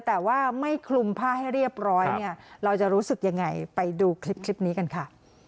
แต่ว่าไม่คลุมผ้าให้เรียบร้อยเนี่ยเราจะรู้สึกยังไงไปดูคลิปนี้กันค่ะ